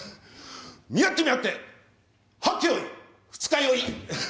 見合って見合ってはっけよい二日酔い。